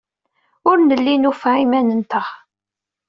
Ur nelli nufa iman-nteɣ.